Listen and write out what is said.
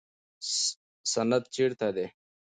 سند چیرته دی؟